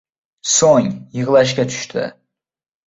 Soʻng yigʻlashga tushdi.